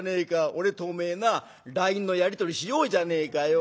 俺とおめえなＬＩＮＥのやり取りしようじゃねえかよ。